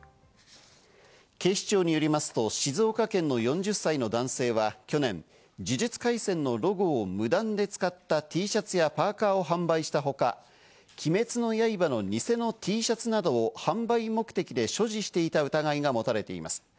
警視庁によりますと静岡県の４０歳の男性は去年『呪術廻戦』のロゴを無断で使ったＴシャツやパーカを販売したほか、『鬼滅の刃』の偽のＴシャツなどを販売目的で所持していた疑いがもたれています。